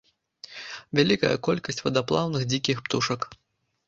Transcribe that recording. Вялікая колькасць вадаплаўных дзікіх птушак.